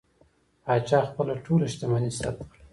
پاچا خپله ټوله شتمني ثبت کړه.